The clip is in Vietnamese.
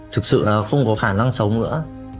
thực sự là không có khả năng sống nữa